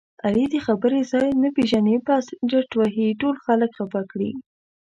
علي د خبرې ځای نه پېژني بس ډرت وهي ټول خلک خپه کړي.